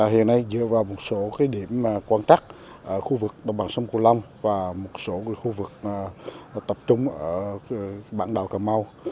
hiện nay dựa vào một số điểm quan trắc ở khu vực đồng bằng sông cổ long và một số khu vực tập trung ở bản đảo cà mau